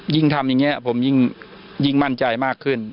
ยิ่งทำอย่างนี้ผมยิ่งมั่นใจมากขึ้น